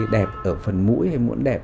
đẹp ở phần mũi hay muốn đẹp